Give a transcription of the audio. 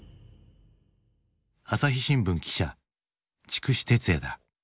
朝日新聞記者筑紫哲也だ。